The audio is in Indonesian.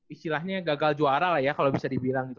istilahnya gagal juara lah ya kalau bisa dibilang gitu